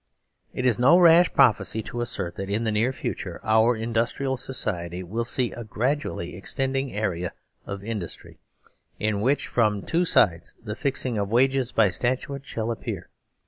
It is no rash prophecy to assert that in the near future our industrial society will see a gradually extending area of industry in which from two sides the fixing of wages by statute shall appear.